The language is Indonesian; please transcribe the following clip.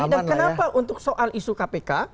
dan kenapa untuk soal isu kpk